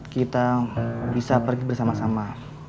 kita bisa pergi bersama sama